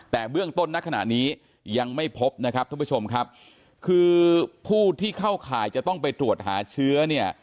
แต่เบื้องต้นณขณะนี้ยังไม่พบนะครับท่านผู้ชมครับคือผู้ที่เข้าข่ายจะต้องไปตรวจหาเชื้อเนี่ย